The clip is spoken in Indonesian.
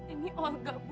ini olga bu